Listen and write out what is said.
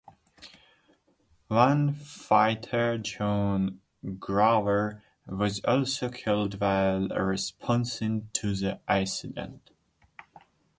One firefighter John Graver, was also killed while responding to the incident.